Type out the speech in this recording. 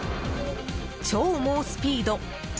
超猛スピード。